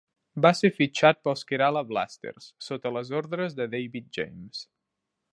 Va ser fitxat pels Kerala Blasters, sota les ordres de David James.